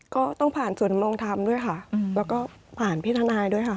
ก็ต้องผ่านศูนย์ดำรงธรรมด้วยค่ะแล้วก็ผ่านพี่ทนายด้วยค่ะ